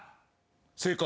正解。